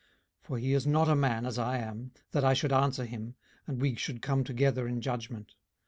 18:009:032 For he is not a man, as I am, that I should answer him, and we should come together in judgment.